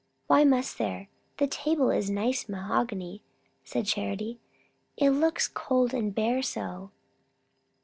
"Why must there? The table is nice mahogany," said Charity. "It looks cold and bare so.